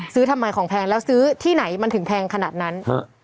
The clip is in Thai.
ซื้อทำไมของแพงแล้วซื้อที่ไหนมันถึงแพงขนาดนั้น